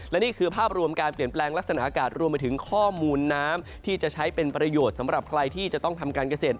และนี่คือภาพรวมการเปลี่ยนแปลงลักษณะอากาศรวมไปถึงข้อมูลน้ำที่จะใช้เป็นประโยชน์สำหรับใครที่จะต้องทำการเกษตร